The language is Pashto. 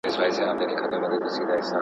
کابل باید د هوا له ککړتیا څخه وژغورل شي.